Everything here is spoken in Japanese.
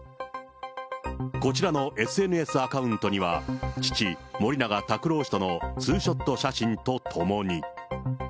こちらのＳＮＳアカウントには、父、森永卓郎氏とのツーショット写真とともに。